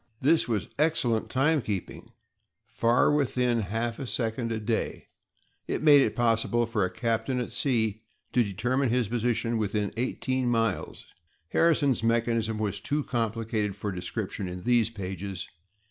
This was excellent timekeeping—far within half a second a day; it made it possible for a captain at sea to determine his position within eighteen miles. Harrison's mechanism was too complicated for description in these pages.